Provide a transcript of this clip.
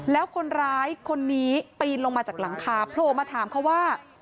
แล้วคนร้ายคนนี้ปีนลงมาจากหลังคาโผล่มาถามเขาว่า